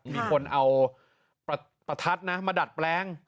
มีคนเอาประทัดนะมาดัดแปลง